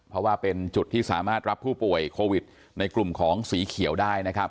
เพราะว่าเป็นจุดที่สามารถรับผู้ป่วยโควิดในกลุ่มของสีเขียวได้นะครับ